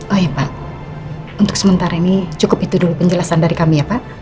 oh ya pak untuk sementara ini cukup itu dulu penjelasan dari kami ya pak